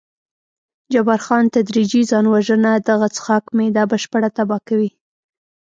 جبار خان: تدریجي ځان وژنه، دغه څښاک معده بشپړه تباه کوي.